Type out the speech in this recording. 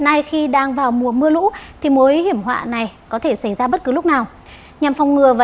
nay khi đang vào mùa mưa lũ thì mối hiểm họa này có thể xảy ra bất cứ lúc nào nhằm phòng ngừa và